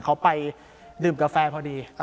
เขาไปดื่มกาแฟพอดี